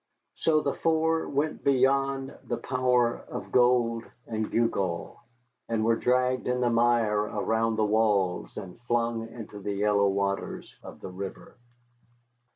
So the four went beyond the power of gold and gewgaw, and were dragged in the mire around the walls and flung into the yellow waters of the river.